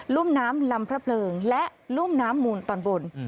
ุ่มน้ำลำพระเพลิงและรุ่มน้ำมูลตอนบน